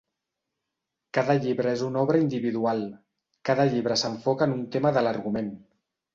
Cada llibre és una obra individual; cada llibre s'enfoca en un tema de l'argument.